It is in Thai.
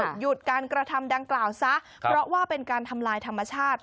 หยุดการกระทำดังกล่าวซะเพราะว่าเป็นการทำลายธรรมชาติ